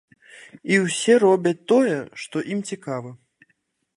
І ўсе робяць тое, што ім цікава.